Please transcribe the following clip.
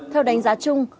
theo đánh giá chung